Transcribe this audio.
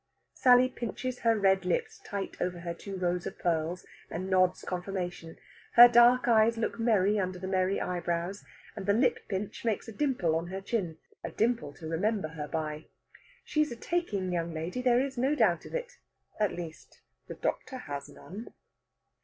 Sally pinches her red lips tight over her two rows of pearls, and nods confirmation. Her dark eyes look merry under the merry eyebrows, and the lip pinch makes a dimple on her chin a dimple to remember her by. She is a taking young lady, there is no doubt of it. At least, the doctor has none.